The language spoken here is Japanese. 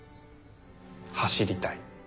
走りたい。